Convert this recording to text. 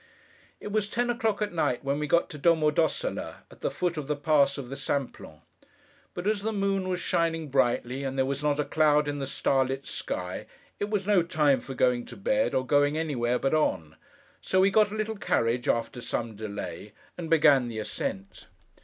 It was ten o'clock at night when we got to Domo d'Ossola, at the foot of the Pass of the Simplon. But as the moon was shining brightly, and there was not a cloud in the starlit sky, it was no time for going to bed, or going anywhere but on. So, we got a little carriage, after some delay, and began the ascent.